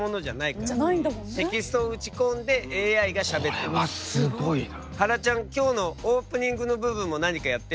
テキストを打ち込んでＡＩがしゃべってる。